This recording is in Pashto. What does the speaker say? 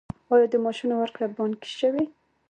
آیا د معاشونو ورکړه بانکي شوې؟